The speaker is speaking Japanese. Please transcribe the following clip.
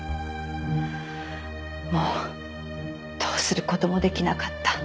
もうどうする事もできなかった。